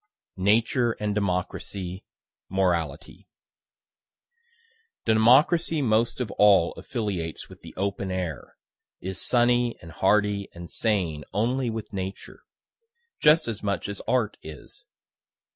NATURE AND DEMOCRACY MORALITY Democracy most of all affiliates with the open air, is sunny and hardy and sane only with Nature just as much as Art is.